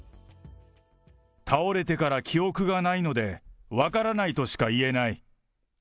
倒れてから記憶がないので、分からないとしか言えない。